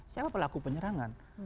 siapa pelaku penyerangan